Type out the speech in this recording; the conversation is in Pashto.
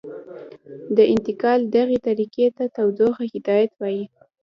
د انتقال دغې طریقې ته تودوخې هدایت وايي.